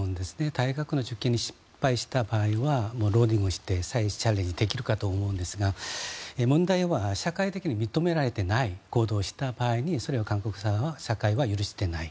大学の受験に失敗した場合は浪人をして再チャレンジできるかと思うんですが問題は社会的に認められてないことをした場合にそれは韓国社会は許していない。